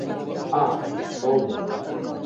– Ах, толде...